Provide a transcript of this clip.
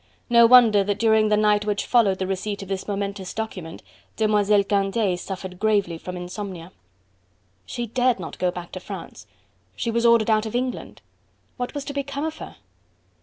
No wonder that during the night which followed the receipt of this momentous document, Demoiselle Candeille suffered gravely from insomnia. She dared not go back to France, she was ordered out of England! What was to become of her?